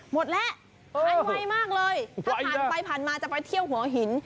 หมดแล้วหายไวมากเลยถ้าผ่านไปผ่านมาจะไปเที่ยวหัวหิน